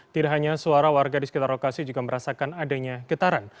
tidak hanya suara warga di sekitar lokasi juga merasakan adanya getaran